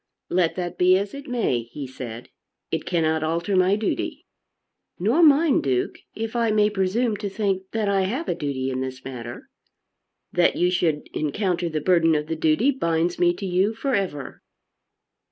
"Let that be as it may," he said, "it cannot alter my duty." "Nor mine, Duke, if I may presume to think that I have a duty in this matter." "That you should encounter the burden of the duty binds me to you for ever."